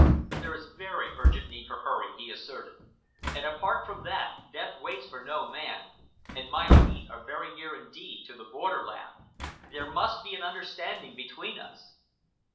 "There is very urgent need for hurry," he asserted, "and apart from that, death waits for no man, and my feet are very near indeed to the borderland. There must be an understanding between us."